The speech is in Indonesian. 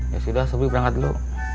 ya sudah tapi berangkat dulu